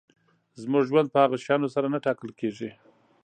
زموږ ژوند په هغو شیانو سره نه ټاکل کېږي.